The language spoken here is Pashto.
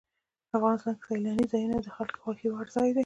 افغانستان کې سیلاني ځایونه د خلکو خوښې وړ ځای دی.